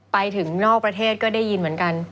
ไปถึงนอกประเทศก็ได้ยินเหมือนกัน